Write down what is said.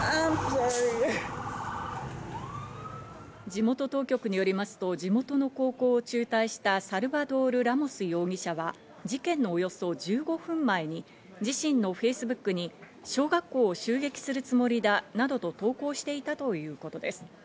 地元当局によりますと、地元の高校を中退したサルバドール・ラモス容疑者は、事件のおよそ１５分前に自身のフェイスブックに小学校を襲撃するつもりだなどと投稿していたということです。